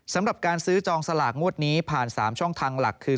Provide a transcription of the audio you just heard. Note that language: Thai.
สำหรับการซื้อจองสลากงวดนี้ผ่าน๓ช่องทางหลักคือ